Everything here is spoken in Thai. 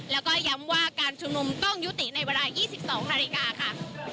แล้วก็ย้ำว่าการชุมนุมต้องยุติในเวลา๒๒นาฬิกาค่ะ